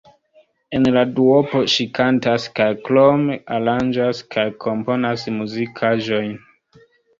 En la duopo ŝi kantas, kaj krome aranĝas kaj komponas muzikaĵojn.